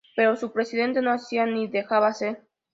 Pero su Presidente no hacía ni dejaba hacer.